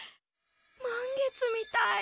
満月みたい。